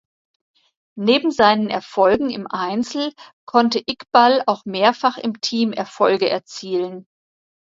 Neben seinen Erfolgen im Einzel konnte Iqbal auch mehrfach im Team Erfolge erzielen.